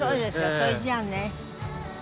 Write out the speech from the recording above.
それじゃあね。